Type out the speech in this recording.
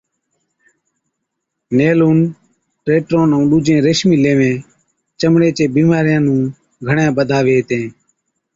نيلُون، ٽيٽرون ائُون ڏُوجين ريشمِي ليوين چمڙي چي بِيمارِيا نُون گھڻَي بڌاوي هِتين